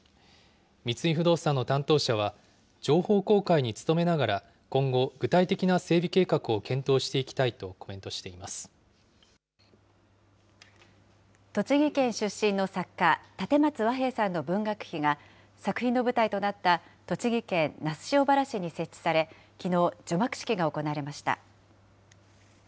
三井不動産の担当者は、情報公開に努めながら今後、具体的な整備計画を検討していきたい栃木県出身の作家、立松和平さんの文学碑が、作品の舞台となった栃木県那須塩原市に設置され、きのう、除幕式が行われました。